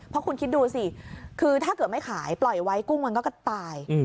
เพราะคุณคิดดูสิคือถ้าเกิดไม่ขายปล่อยไว้กุ้งมันก็ตาย